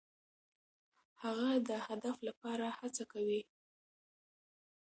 هغه د هدف لپاره هڅه کوي.